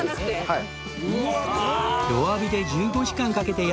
はい。